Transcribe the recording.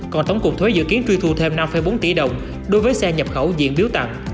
còn tổng cục thuế dự kiến truy thu thêm năm bốn tỷ đồng đối với xe nhập khẩu diện biếu tặng